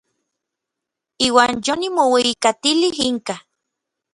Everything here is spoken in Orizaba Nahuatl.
Iuan yonimoueyijkatilij inka.